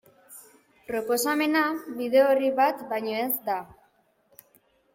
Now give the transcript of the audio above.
Proposamena bide orri bat baino ez da.